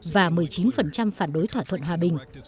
và một mươi chín phản đối thỏa thuận hòa bình